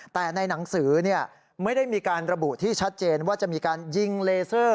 แต่ในหนังสือไม่ได้มีการระบุที่ชัดเจนว่าจะมีการยิงเลเซอร์